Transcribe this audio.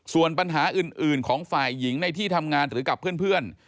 ส่วนปัญหาอื่นของฝ่ายหญิงในที่ทำงานหรือกับเพื่อน